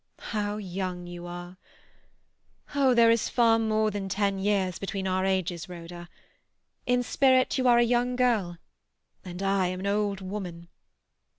"How young you are! Oh, there is far more than ten years between our ages, Rhoda! In spirit you are a young girl, and I an old woman.